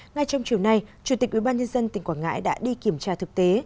ngay trong chiều nay chủ tịch ubnd tỉnh quảng ngãi đã đi kiểm tra thực tế